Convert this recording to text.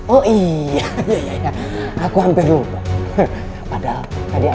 lalu bagaimana dengan belenggu yang ada di tangan kancil ratu